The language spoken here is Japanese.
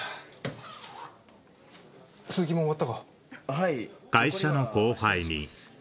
はい。